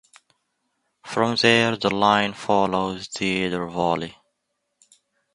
From there the line follows the Eder valley.